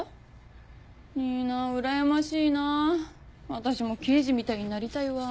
私もケイジみたいになりたいわ。